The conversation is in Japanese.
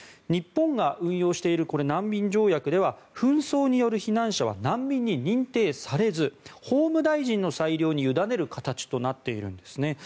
日本が運用している難民条約では紛争による避難者は難民に認定されず法務大臣の裁量に委ねる形となっているんです。